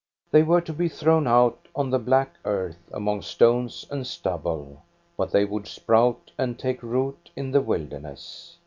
They were to be thrown out on the black earth among stones and stubble, but they would sprout and take root in the wilderness.